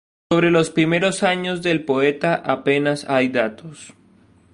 Sobre los primeros años del poeta apenas hay datos datos.